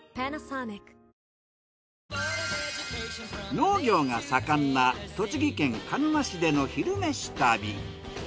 農業が盛んな栃木県鹿沼市での「昼めし旅」。